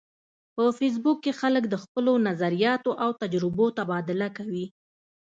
په فېسبوک کې خلک د خپلو نظریاتو او تجربو تبادله کوي